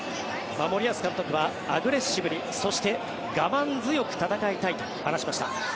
森保監督はアグレッシブにそして我慢強く戦いたいと話しました。